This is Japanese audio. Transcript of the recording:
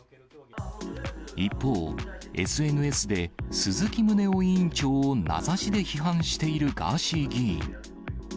一方、ＳＮＳで鈴木宗男委員長を名指しで批判しているガーシー議員。